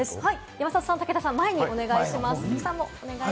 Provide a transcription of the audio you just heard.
山里さん、武田さん、前にお願いします。